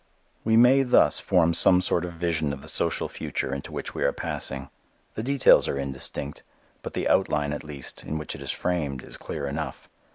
We may thus form some sort of vision of the social future into which we are passing. The details are indistinct. But the outline at least in which it is framed is clear enough.